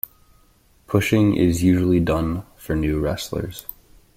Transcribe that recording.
Pushing is usually done for new wrestlers.